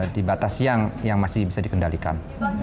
di batas yang masih bisa dikendalikan